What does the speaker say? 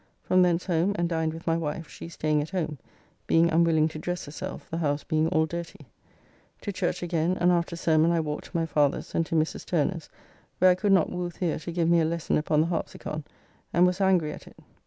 From thence home and dined with my wife, she staying at home, being unwilling to dress herself, the house being all dirty. To church again, and after sermon I walked to my father's, and to Mrs. Turner's, where I could not woo The. to give me a lesson upon the harpsicon and was angry at it.